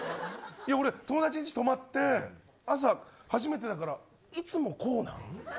友達の家泊まって朝初めてだから、いつもこうなの。